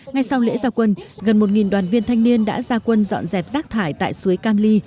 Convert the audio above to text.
ngay sau lễ gia quân gần một đoàn viên thanh niên đã ra quân dọn dẹp rác thải tại suối cam ly